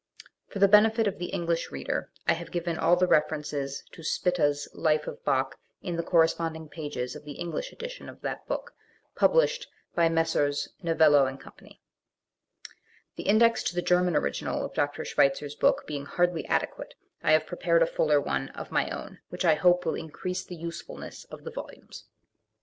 For the benefit of the English reader I have given all the references to Spitta's "Life of Bach" in the correspond ing pages of the English edition of that book, published by Messrs. Novello & Co. The index to the German original of Dr. Schweitzer's book being hardly adequate, I have prepared a fuller one of my own, which I hope will increase the usefulness of the volumes.